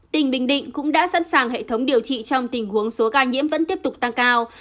tỉnh bình định cũng đã sẵn sàng hệ thống điều trị trong tình huống số ca nhiễm vẫn tiếp tục tăng cao